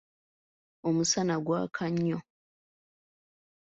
Omusana gwaka nnyo.